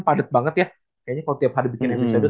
padet banget ya kayaknya kalo tiap hari bikin episode